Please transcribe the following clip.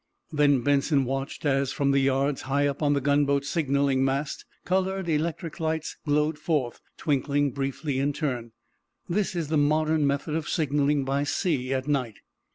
Then Benson watched as, from the yards high up on the gunboat's signaling mast, colored electric lights glowed forth, twinkling briefly in turn. This is the modern method of signaling by sea at night.